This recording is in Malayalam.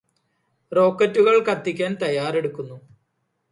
റോക്കറ്റുകള് കത്തിക്കാന് തയ്യാറെടുക്കുന്നു